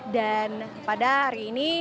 dan pada hari ini